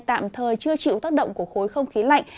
tạm thời chưa chịu tác động của khối không khí lạnh